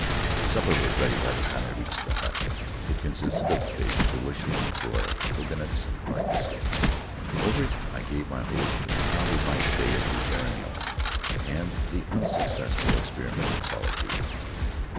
Supper was ready by the time I reached the hut. It consisted of fish deliciously broiled, coconuts, and hard biscuit. Over it I gave my host an account of my stay at Rutiaro and of the unsuccessful experiment in solitude.